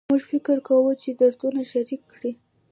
موږ فکر کوو چې دردونه شریک کړو